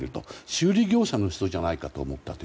修理業者じゃないかと思ったと。